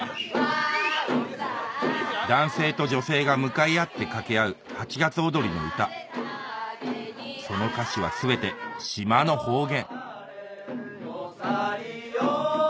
男性と女性が向かい合って掛け合う八月踊りの歌その歌詞は全て島の方言